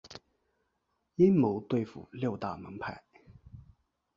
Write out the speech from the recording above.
阴谋对付六大门派。